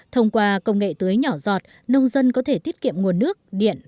thông qua công nghệ tưới nhỏ giọt nông dân có thể tiết kiệm nguồn nước điện